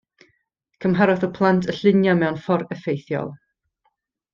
Cymharodd y plant y lluniau mewn ffordd effeithiol.